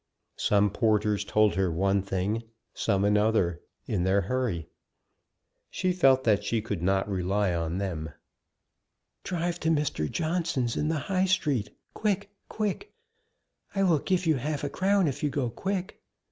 Some porters told her one thing, some another, in their hurry; she felt that she could not rely on them. "Drive to Mr. Johnson's in the High street quick, quick. I will give you half a crown if you will go quick."